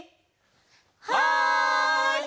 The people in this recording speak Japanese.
はい！